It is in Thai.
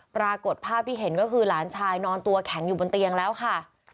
ปรากฏภาพที่เห็นก็คือหลานชายนอนตัวแข็งอยู่บนเตียงแล้วค่ะ